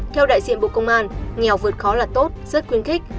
theo đại diện bộ công an nghèo vượt khó là tốt rất khuyến khích